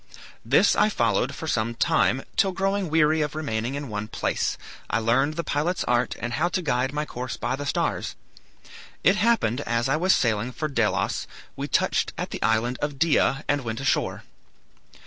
This I followed for some time, till growing weary of remaining in one place, I learned the pilot's art and how to guide my course by the stars. It happened as I was sailing for Delos we touched at the island of Dia and went ashore.